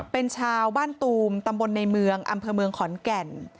เป็นชาวบ้านตูมตำบลในเมืองอำเภอเมืองขอนแก่น